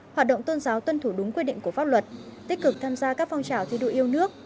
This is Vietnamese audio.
hoạt động tôn giáo tuân thủ đúng quy định của pháp luật tích cực tham gia các phong trào thi đua yêu nước